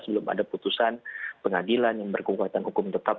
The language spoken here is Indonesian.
belum ada putusan pengadilan yang berkekuatan hukum tetap